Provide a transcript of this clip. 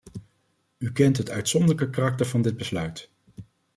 U kent het uitzonderlijke karakter van dit besluit.